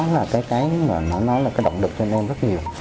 và cái đó nó là cái động lực cho anh em rất nhiều